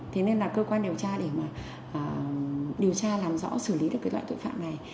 thế nên là cơ quan điều tra để mà điều tra làm rõ xử lý được cái loại tội phạm này